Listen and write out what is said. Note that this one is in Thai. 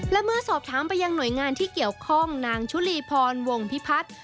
และเมื่อสอบถามไปยังหน่วยงานที่เกี่ยวข้องนางชุลีพรวงพิพัฒน์